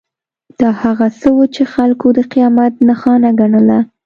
دا هغه څه وو چې خلکو د قیامت نښانه ګڼله.